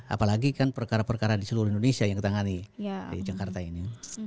apalagi kan perkara perkara di seluruh indonesia yang ditangani di jakarta ini